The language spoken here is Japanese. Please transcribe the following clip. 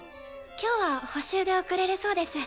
今日は補習で遅れるそうです。